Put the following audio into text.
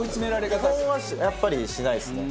基本はやっぱりしないですね。